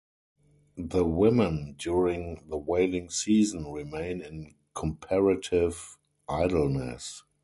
The women during the whaling season remain in comparative idleness.